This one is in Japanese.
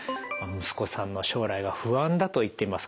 息子さんの将来が不安だと言っています。